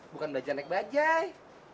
bukan belajar naik bajai